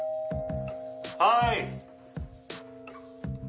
はい！